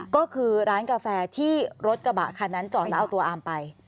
ก็คือร้านกาแฟที่รถกระบะคันนั้นจอดแล้วเอาตัวอามไป